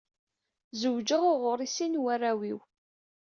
Zewǧeɣ u ɣur-i sin n warraw-iw.